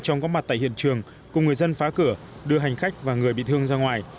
chóng có mặt tại hiện trường cùng người dân phá cửa đưa hành khách và người bị thương ra ngoài